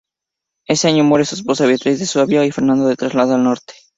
Ese año muere su esposa Beatriz de Suabia y Fernando se traslada al norte.